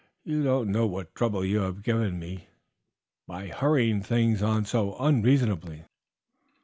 You don't know what trouble you have given me by hurrying things on so unreasonably."